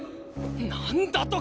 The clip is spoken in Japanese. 何だと！？